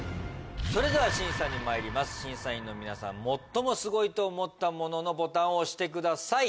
それでは審査にまいります審査員の皆さん最もすごいと思ったもののボタンを押してください